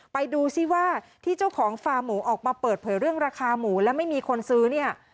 ไปดูซิว่าที่เจ้าของฟาร์หมูออกมาเปิดเผยเรื่องราคาหมูและไม่มีคนซื้อเนี่ย